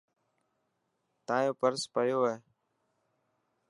تايو پرس پيو هي.